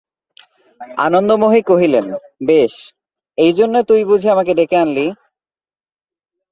আনন্দময়ী কহিলেন, বেশ, এইজন্যে তুই বুঝি আমাকে ডেকে আনলি!